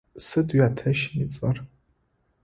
Сыд уятэщым ыцӏэр?